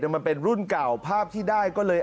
มันเป็นรุ่นเก่าภาพที่ได้ก็เลย